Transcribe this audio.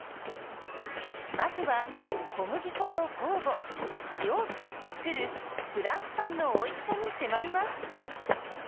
まずは小麦粉と酵母塩を使って作るフランスパンのおいしさに迫ります。